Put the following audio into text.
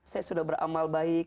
saya sudah beramal baik